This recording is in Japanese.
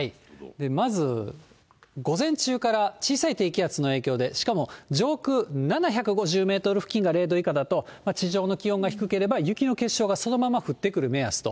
まず、午前中から小さい低気圧の影響で、しかも、上空７５０メートル付近が０度以下だと、地上の気温が低ければ、雪の結晶がそのまま降ってくる目安と。